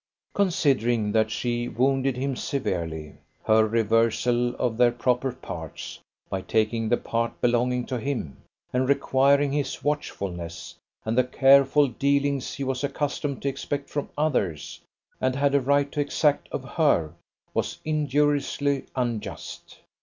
Considering that she wounded him severely, her reversal of their proper parts, by taking the part belonging to him, and requiring his watchfulness, and the careful dealings he was accustomed to expect from others, and had a right to exact of her, was injuriously unjust.